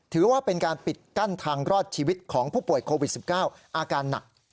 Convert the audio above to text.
ถือว่าเป็นการปิดกั้นทางรอดชีวิตของผู้ป่วยโควิด๑๙อาการหนัก